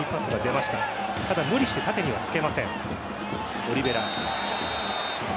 ただ無理して縦にはつけません、オリヴェラ。